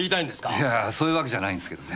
いやそういうわけじゃないんすけどね。